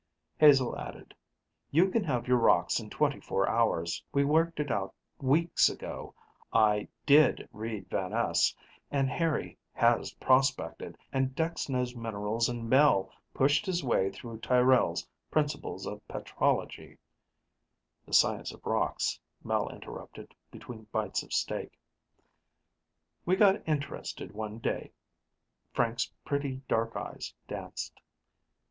Hazel added, "You can have your rocks in 24 hours. We worked it out weeks ago. I did read Van Es, and Harry has prospected, and Dex knows minerals, and Mel pushed his way through Tyrrell's 'Principles of Petrology' " "The science of rocks," Mel interrupted, between bites of steak. "We got interested one day." Frank's pretty, dark eyes danced.